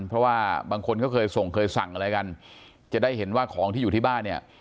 เพราะว่าบางคนเขาเคยส่งเคยสั่งอะไรกันจะได้เห็นว่าของที่อยู่ที่บ้านเนี่ย